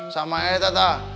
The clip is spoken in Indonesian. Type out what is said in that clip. sama eh tata